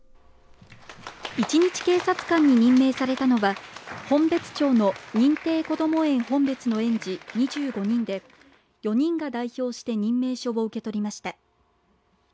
一日警察官に任命されたのは本別町の認定こども園ほんべつの園児２５人で４人が代表して任命書を受け取りました。